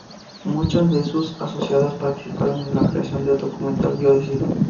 Muchas de sus asociadas participaron en la creación del documental "Yo decido.